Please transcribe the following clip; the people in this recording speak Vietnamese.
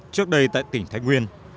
trước đây tại tỉnh thái nguyên